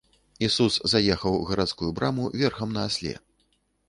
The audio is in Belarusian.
Ісус заехаў у гарадскую браму верхам на асле.